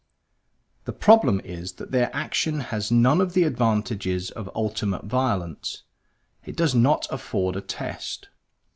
The problem is that their action has none of the advantages of ultimate violence; it does not afford a test.